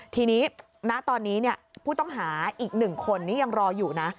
ทีนี้ณตอนนี้ผู้ต้องหาอีก๑คนนี้ยังรออยู่นะ